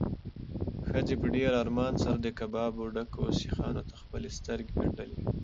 ښځې په ډېر ارمان سره د کبابو ډکو سیخانو ته خپلې سترګې ګنډلې وې.